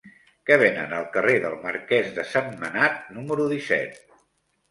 Què venen al carrer del Marquès de Sentmenat número disset?